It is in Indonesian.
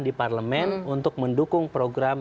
di parlemen untuk mendukung program